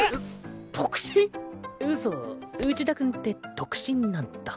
ウソ内田君って特進なんだ。